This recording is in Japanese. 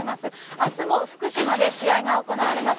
あすも福島で試合が行われます